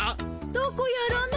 どこやろね？